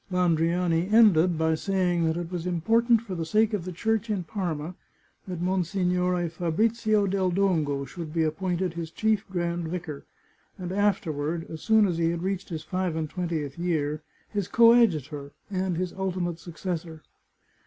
Landriani ended by saying that it was im portant for the sake of the Church in Parma that Monsi 191 The Chartreuse of Parma gnore Fabrizio del Dongo should be appointed his chief grand vicar, and afterward, as soon as he had reached his five and twentieth year, his coadjutor, and his ultimate suc cessor.